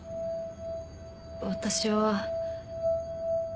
私は。